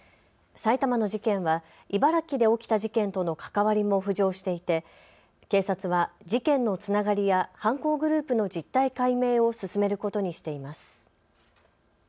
埼玉の事件は茨城で起きた事件との関わりも浮上していて警察は事件のつながりや犯行グループの実態解明を進めることにしています。